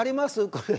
これ。